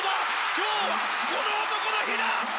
今日はこの男の日だ！